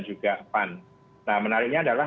juga pan nah menariknya adalah